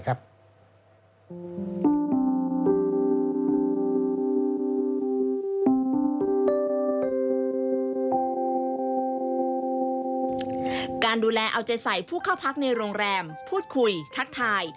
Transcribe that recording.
การดูแลเอาใจใส่ผู้เข้าพักในโรงแรมพูดคุยทักทาย